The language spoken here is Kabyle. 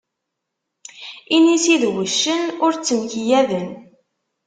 Inisi d wuccen, ur ttemkeyyaden.